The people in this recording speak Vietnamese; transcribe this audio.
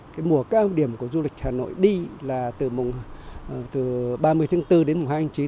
các điểm của du lịch hà nội đi là từ mùng ba mươi tháng bốn đến mùng hai mươi chín